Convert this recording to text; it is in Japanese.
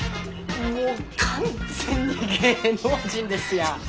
もう完全に芸能人ですやん！